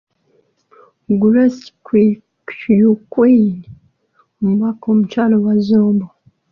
Grace Kwiyucwiny , omubaka omukyala owa Zombo.